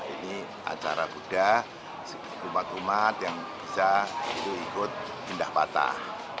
ini acara buddha umat umat yang bisa ikut pindah patah